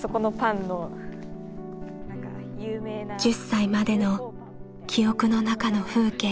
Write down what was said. １０歳までの記憶の中の風景。